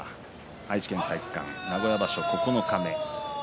愛知県体育館名古屋場所九日目。